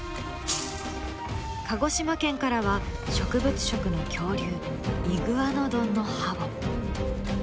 鹿児島県からは植物食の恐竜イグアノドンの歯を。